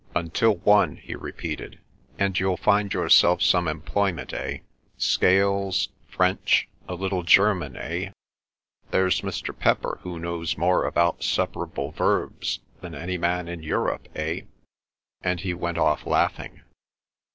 "Until one," he repeated. "And you'll find yourself some employment, eh? Scales, French, a little German, eh? There's Mr. Pepper who knows more about separable verbs than any man in Europe, eh?" and he went off laughing.